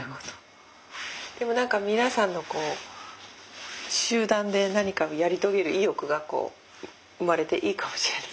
でも何か皆さんの集団で何かをやり遂げる意欲が生まれていいかもしれない。